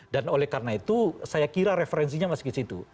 dan oleh karena itu saya kira referensinya masih di situ